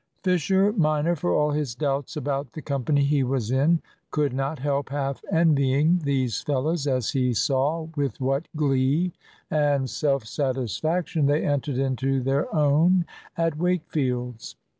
Fisher minor, for all his doubts about the company he was in, could not help half envying these fellows, as he saw with what glee and self satisfaction they entered into their own at Wakefield's.